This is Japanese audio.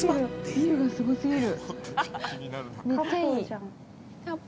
◆ビルがすごすごぎる。